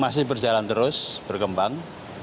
masih berjalan terus berkembang